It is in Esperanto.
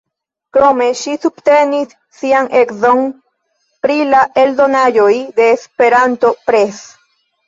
Krome ŝi subtenis sian edzon pri la eldonaĵoj de Esperanto Press.